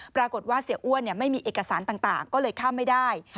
ปรากฏว่าเสียอ้วนไม่มีเอกสารต่างก็เลยข้ามไม่ได้